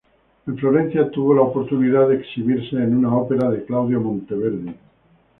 En Florencia tuvo la oportunidad de exhibirse en una ópera de Claudio Monteverdi.